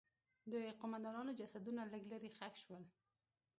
د قوماندانانو جسدونه لږ لرې ښخ شول.